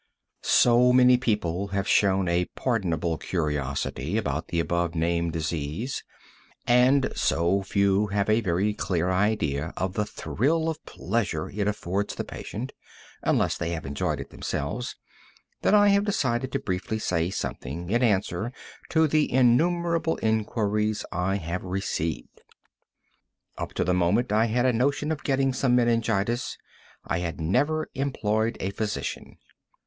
So many people have shown a pardonable curiosity about the above named disease, and so few have a very clear idea of the thrill of pleasure it affords the patient, unless they have enjoyed it themselves, that I have decided to briefly say something in answer to the innumerable inquiries I have received. Up to the moment I had a notion of getting some meningitis, I had never employed a physician.